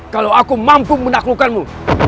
kalau aku mampu menaklukkanmu